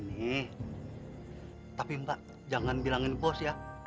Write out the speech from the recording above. mas makanannya udah siap